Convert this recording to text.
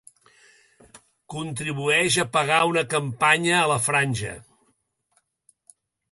Contribueix a pagar una campanya a la Franja.